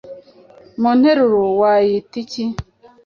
mu nteruro wayita iki?